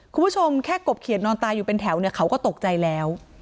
คุณผู้ชมแค่กบเขียดนอนตายอยู่เป็นแถวเนี่ยเขาก็ตกใจแล้ว